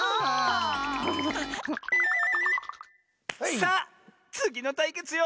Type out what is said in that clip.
さあつぎのたいけつよ！